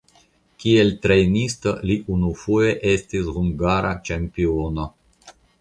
Kiel trejnisto li unufoje estis hungara ĉampiono.